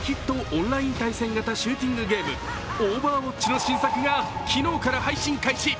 オンライン対戦型シューティングゲーム「オーバーウォッチ」の新作が昨日から配信開始。